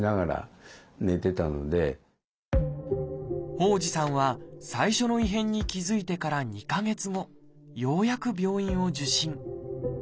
傍士さんは最初の異変に気付いてから２か月後ようやく病院を受診。